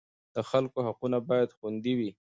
د خلکو حقونه باید خوندي وي.